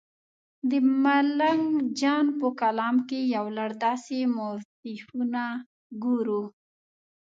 د ملنګ جان په کلام کې یو لړ داسې موتیفونه ګورو.